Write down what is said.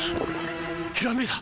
ひらめいた！